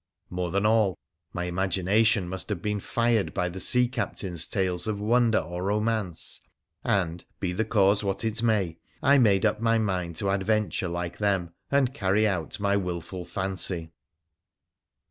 More than all, my imagination must have been fired by the sea captains' tales of wonder or romance, and, be the cause what it may, I made up my mind to adventure like them, and carried out my wilful fancy.